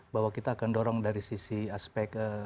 bahwa kita akan dorong dari sisi aspek